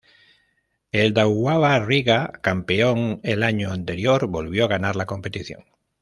El Daugava Riga, campeón el año anterior, volvió a ganar la competición.